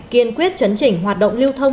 kiên quyết chấn chỉnh hoạt động liêu thông